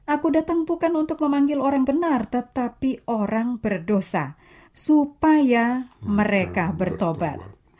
aku datang bukan untuk memanggil orang benar tetapi orang berdosa supaya mereka bertobat